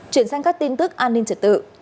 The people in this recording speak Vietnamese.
chuyển sang các tin tức an ninh trật tự